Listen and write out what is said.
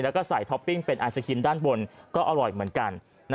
แล้วก็ใส่ท็อปปิ้งเป็นไอศครีมด้านบนก็อร่อยเหมือนกัน